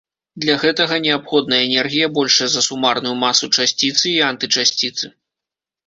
Для гэтага неабходна энергія, большая за сумарную масу часціцы і антычасціцы.